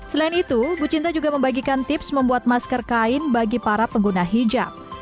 selain itu bu cinta juga membagikan tips membuat masker kain bagi para pengguna hijab